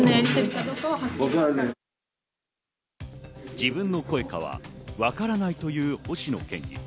自分の声かはわからないという星野県議。